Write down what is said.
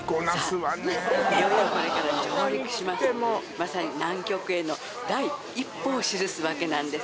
まさに南極への第一歩をしるすわけなんです